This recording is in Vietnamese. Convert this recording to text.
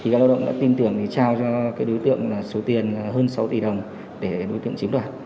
các lao động đã tin tưởng trao đối tượng số tiền hơn sáu tỷ đồng để đối tượng chiếm đoạt